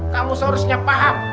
kamu seharusnya paham